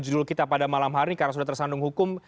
judul kita pada malam hari karena sudah tersandung hukum